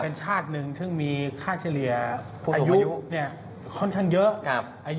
เป็นชาติหนึ่งซึ่งมีค่าเฉลี่ยอายุค่อนข้างเยอะ